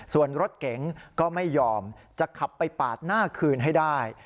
ส่วนรถเก๋งก็ไม่ยอมจะขับไปปาดหน้าคืนให้ได้